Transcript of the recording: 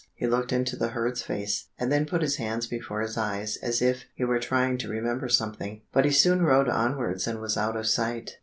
He looked into the herd's face, and then put his hands before his eyes as if he were trying to remember something, but he soon rode onwards and was out of sight.